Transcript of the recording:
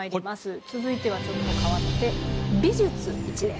続いてはちょっと変わって「美術Ⅰ」です。